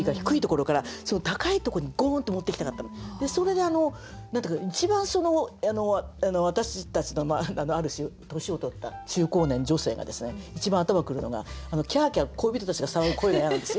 エネルギーがもうそれで何て言うか一番私たちのある種年をとった中高年女性が一番頭来るのがキャーキャー恋人たちが騒ぐ声が嫌なんですよ。